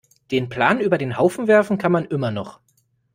Den Plan über den Haufen werfen kann man immer noch.